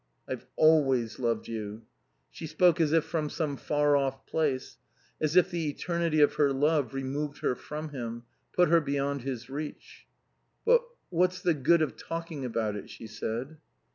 "I've always loved you." She spoke as if from some far off place; as if the eternity of her love removed her from him, put her beyond his reach. "But what's the good of talking about it?" she said.